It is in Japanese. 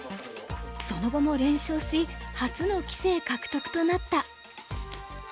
その後も連勝し初の棋聖獲得となった。